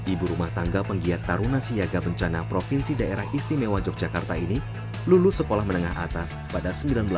ibu rumah tangga penggiat taruna siaga bencana provinsi daerah istimewa yogyakarta ini lulus sekolah menengah atas pada seribu sembilan ratus sembilan puluh